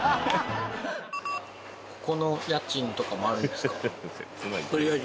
ここの家賃とかもあるんですか？